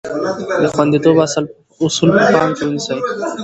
د خوندیتوب اصول په پام کې ونیسئ.